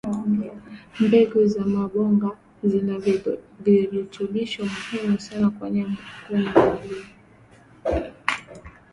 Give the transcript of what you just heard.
mbegu za maboga zina virutubisho muhimu sana kwenye mwili